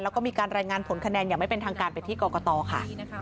แล้วก็มีการรายงานผลคะแนนอย่างไม่เป็นทางการไปที่กรกตค่ะ